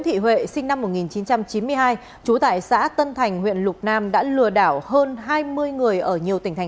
thị huệ sinh năm một nghìn chín trăm chín mươi hai trú tại xã tân thành huyện lục nam đã lừa đảo hơn hai mươi người ở nhiều tỉnh thành